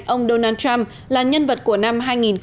ông donald trump là nhân vật của năm hai nghìn một mươi